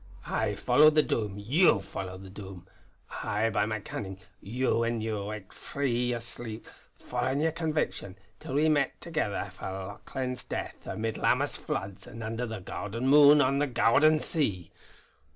I followed the Doom; you followed the Doom. I by my cunnin'; you when ye waked frae yer sleep, followin' yer conviction, till we met thegither for Lauchlane's death, amid Lammas floods and under the gowden moon on the gowden sea.